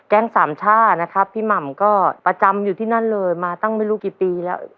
สามช่านะครับพี่หม่ำก็ประจำอยู่ที่นั่นเลยมาตั้งไม่รู้กี่ปีแล้ว